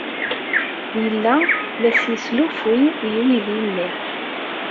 Yella la as-yesslufuy i uydi-nni.